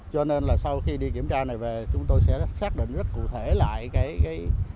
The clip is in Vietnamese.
cho nên là sau khi đi kiểm tra này về chúng tôi sẽ xác định rất cụ thể lại cái